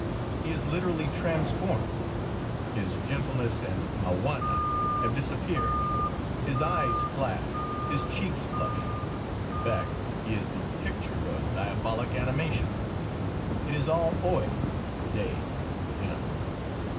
He is literally transformed. His gentleness and "mauana" have disappeared; his eyes flash, his cheeks flush in fact, he is the picture of "diabolic animation." It is all "hoy" to day with him.